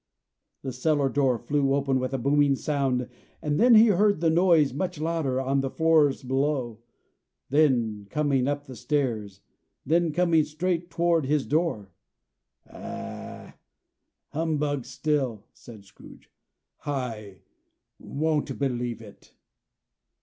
The cellar door flew open with a booming sound, and then he heard the noise much louder, on the floors below; then coming up the stairs; then coming straight toward his door. "It's humbug still!" said Scrooge. "I won't believe it."